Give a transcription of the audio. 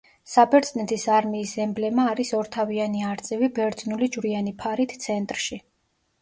საბერძნეთის არმიის ემბლემა არის ორთავიანი არწივი ბერძნული ჯვრიანი ფარით ცენტრში.